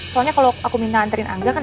soalnya kalau aku minta anterin angga kan